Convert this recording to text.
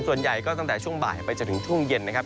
ส่วนใหญ่ก็ตั้งแต่ช่วงบ่ายไปจนถึงช่วงเย็นนะครับ